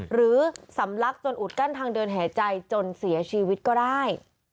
หรือสำลักจนอุดกั้นทางเดินหายใจจนเสียชีวิตก็ได้